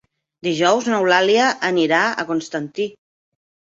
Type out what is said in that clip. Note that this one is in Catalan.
Dijous n'Eulàlia anirà a Constantí.